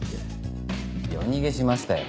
夜逃げしましたよ